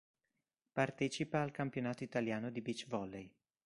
Partecipa al Campionato Italiano di beach volley.